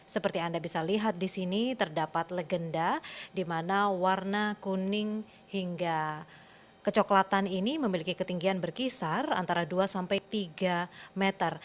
seperti anda bisa lihat di sini terdapat legenda di mana warna kuning hingga kecoklatan ini memiliki ketinggian berkisar antara dua sampai tiga meter